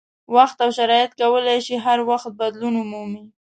وخت او شرایط کولای شي هر وخت بدلون ومومي.